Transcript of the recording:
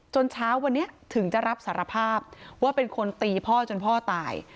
เช้าวันนี้ถึงจะรับสารภาพว่าเป็นคนตีพ่อจนพ่อตาย